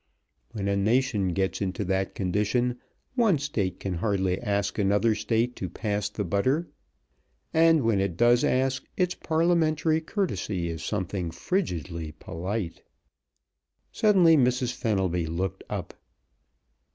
When a nation gets into that condition one State can hardly ask another State to pass the butter, and when it does ask, its parliamentary courtesy is something frigidly polite. Suddenly Mrs. Fenelby looked up.